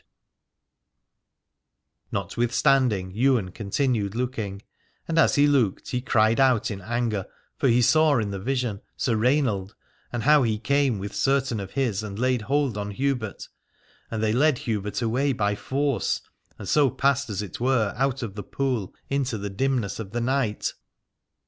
298 Alad ore Notwithstanding Ywain continued looking, and as he looked he cried out in anger, for he saw in the vision Sir Rainald, and how he came with certain of his and laid hold on Hubert : and they led Hubert away by force and so passed as it were out of the pool into the dimness of the night.